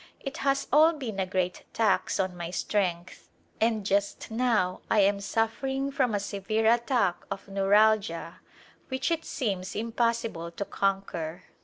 It has all been a great tax on my strength and just now I am suffering from a severe attack of neuralgia, which it seems impossible to conquer.